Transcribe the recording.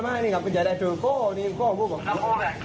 ไม่นี่ครับมันจะได้ตรวจก้อนิ่งก้อนิ่งก้อนิ่งก้อนิ่งก้อนิ่ง